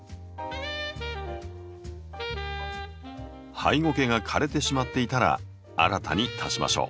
ハイゴケが枯れてしまっていたら新たに足しましょう。